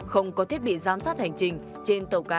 không có thiết bị giám sát hành trình trên tàu cá